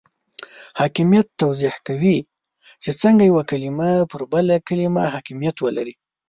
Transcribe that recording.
حاکمیت توضیح کوي چې څنګه یوه کلمه پر بله کلمه حاکمیت ولري.